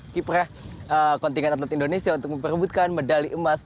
seorang konten atlet indonesia untuk memperbutkan medali emas